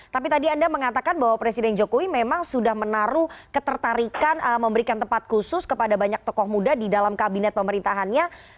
tapi tadi anda mengatakan bahwa presiden jokowi memang sudah menaruh ketertarikan memberikan tempat khusus kepada banyak tokoh muda di dalam kabinet pemerintahannya